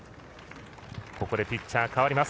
ピッチャー代わります。